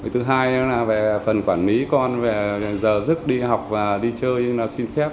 thứ hai là phần quản lý con về giờ giấc đi học và đi chơi xin phép